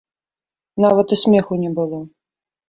Нават і смеху не было.